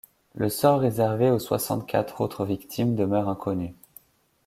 Le sort réservé aux soixante-quatre autres victimes demeure inconnu.